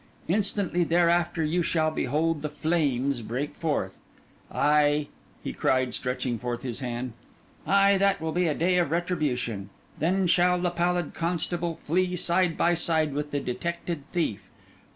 Instantly thereafter, you shall behold the flames break forth. Ay,' he cried, stretching forth his hand, 'ay, that will be a day of retribution. Then shall the pallid constable flee side by side with the detected thief.